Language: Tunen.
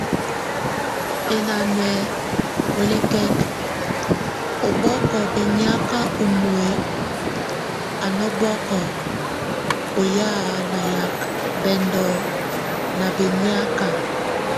Eŋaná welekek, óboko beníak umue a nóbok oyá nayak, bɛndo ná beníaka.